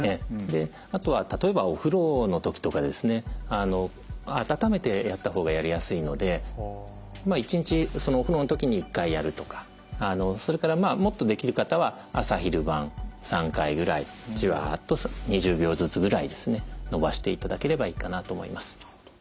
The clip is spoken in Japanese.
あとは例えばお風呂の時とか温めてやった方がやりやすいので１日そのお風呂の時に１回やるとかそれからもっとできる方は朝・昼・晩３回ぐらいジワッと２０秒ずつぐらい伸ばしていただければいいかなと思います。